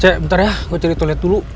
cek bentar ya gue cari toilet dulu